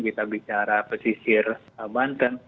kita bicara pesisir banten